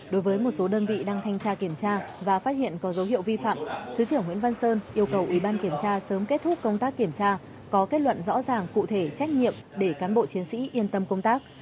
đối với một số đơn vị đang thanh tra kiểm tra và phát hiện có dấu hiệu vi phạm thứ trưởng nguyễn văn sơn yêu cầu ủy ban kiểm tra sớm kết thúc công tác kiểm tra có kết luận rõ ràng cụ thể trách nhiệm để cán bộ chiến sĩ yên tâm công tác